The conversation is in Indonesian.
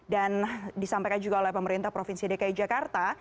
dan disampaikan juga oleh pemerintah provinsi dki jawa